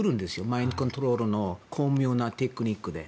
マインドコントロールの巧妙なテクニックで。